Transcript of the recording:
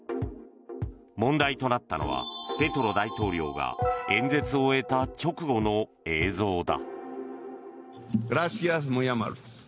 問題となったのはペトロ大統領が演説を終えた直後の映像だ。